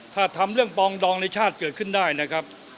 ถ้าทำเรื่องปองดองในชาติเกิดขึ้นได้นะครับ